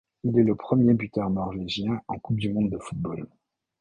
Il est le premier buteur norvégien en Coupe du monde de football.